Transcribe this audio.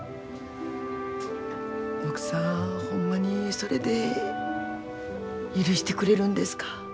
奥さんほんまにそれで許してくれるんですか。